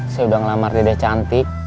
saya sudah ngelamar dede cantik